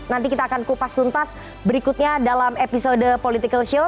nanti kita akan kupas tuntas berikutnya dalam episode political show